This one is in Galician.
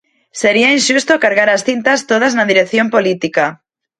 Sería inxusto cargar as tintas todas na dirección política.